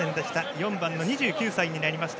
４番、２９歳になりました